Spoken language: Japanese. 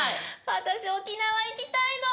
私沖縄行きたいの！